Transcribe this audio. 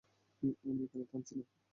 আমি এখানে থাকছি না!